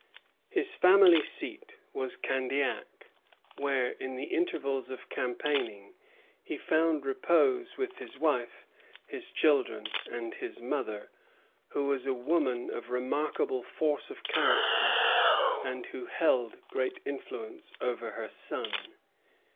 His family seat was Candiac; where, in the intervals of campaigning, he found repose with his wife, his children, and his mother, who was a woman of remarkable force of character and who held great influence over her son.